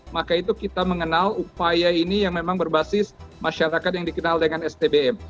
maka itu kita mengenal upaya ini yang memang berbasis masyarakat yang dikenal dengan stbm